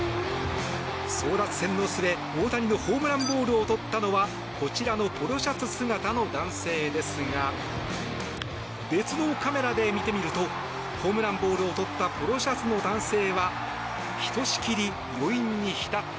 争奪戦の末大谷のホームランボールを取ったのはこちらのポロシャツ姿の男性ですが別のカメラで見てみるとホームランボールを取ったポロシャツの男性はひとしきり余韻に浸った